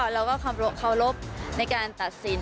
เราก็เคารพในการตัดสิน